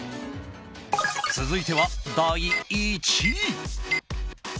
続いては、第１位。